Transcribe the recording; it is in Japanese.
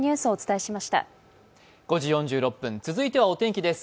続いてはお天気です。